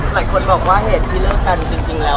หลายคนบอกว่าเหตุที่เลิกกันจริงแล้ว